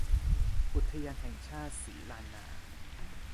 อุทยานแห่งชาติศรีลานนา